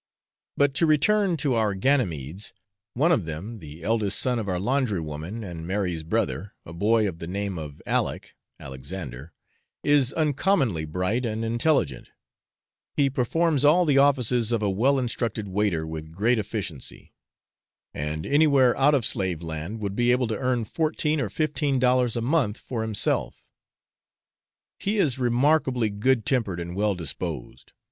But to return to our Ganymedes. One of them the eldest son of our laundrywoman, and Mary's brother, a boy of the name of Aleck (Alexander) is uncommonly bright and intelligent; he performs all the offices of a well instructed waiter with great efficiency, and anywhere out of slave land would be able to earn fourteen or fifteen dollars a month for himself; he is remarkably good tempered and well disposed.